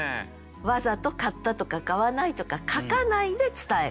わざと「買った」とか「買わない」とか書かないで伝える。